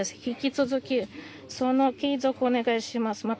引き続きその継続をお願いします。